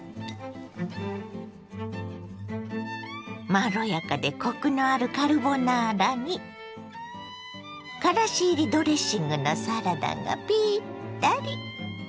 まろやかでコクのあるカルボナーラにからし入りドレッシングのサラダがピッタリ。